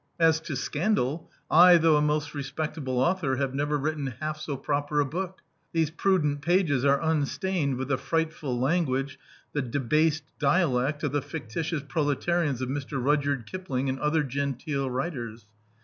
As to scan dal, I, tbou^ a most respectable author, have never written half so proper a book. These pudent pages are unstained with the frigjitful language, the de based dialect, of the fictitious proletarians of Mr. Rudyard Kipling and other genteel writers.